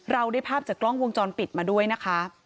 เราได้ภาพจากกล้องวงจรปิดมาด้วยนะคะ